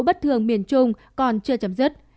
bất thường miền trung còn chưa chấm dứt